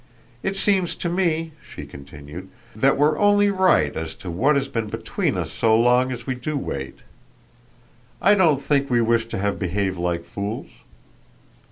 It seems to me," she continued, "that we're only right as to what has been between us so long as we do wait. I don't think we wish to have behaved like fools."